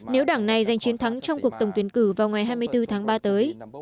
nếu đảng này giành chiến thắng trong cuộc tổng tuyển cử vào ngày hai mươi bốn tháng ba tới